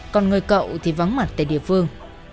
còn người cậu thì vắng mặt tại địa phương